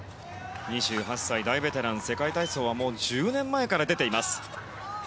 ２８歳、大ベテラン世界体操は１０年前から出ています。